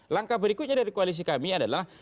langkah berikutnya dari koalisi kami adalah